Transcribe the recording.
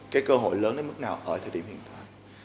cái cơ hội lớn đến mức nào ở thời điểm hiện tại